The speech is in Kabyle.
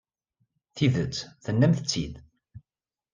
Tidet, tennamt-tt-id.